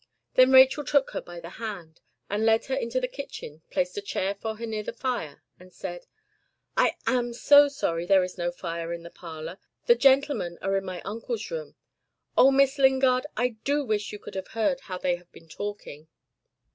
Then Rachel took her by the hand, and led her into the kitchen, placed a chair for her near the fire, and said, "I AM sorry there is no fire in the parlour. The gentlemen are in my uncle's room. Oh, Miss Lingard, I do wish you could have heard how they have been talking!"